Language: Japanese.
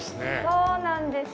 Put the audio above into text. そうなんです。